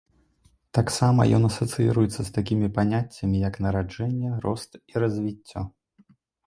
Таксама ён асацыіруецца з такімі паняццямі, як нараджэнне, рост і развіццё.